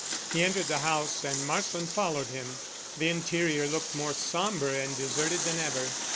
He entered the house and Marsland followed him. The interior looked more sombre and deserted than ever.